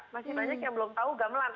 masih banyak yang belum tahu gamelan